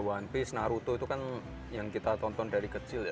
one peace naruto itu kan yang kita tonton dari kecil ya